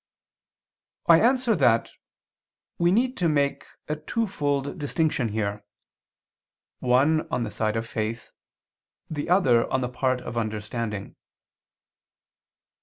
I answer that, We need to make a twofold distinction here: one on the side of faith, the other on the part of understanding.